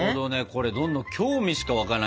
これどんどん興味しか湧かないね。